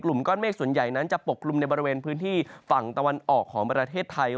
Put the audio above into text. กลุ่มก้อนเมฆส่วนใหญ่นั้นจะปกลุ่มในบริเวณพื้นที่ฝั่งตะวันออกของประเทศไทย